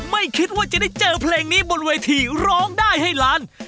ไม่คิดว่าจะได้เจอเพลงนี้บนเวทีร้องได้ให้ล้าน